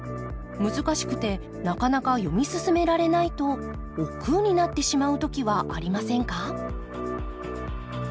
難しくてなかなか読み進められないとおっくうになってしまう時はありませんか？